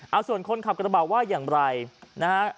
เอาส่วนคนขับกระบะว่าอย่างไรนะฮะ